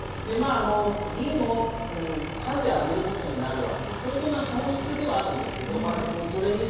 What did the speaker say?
銀をタダであげることになるわけで相当な損失ではあるんですけどそれに代わる代償